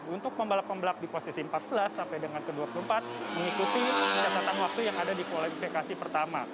untuk pembalap pembalap di posisi empat belas sampai dengan ke dua puluh empat mengikuti catatan waktu yang ada di kualifikasi pertama